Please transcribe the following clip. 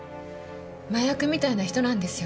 麻薬みたいな人なんですよ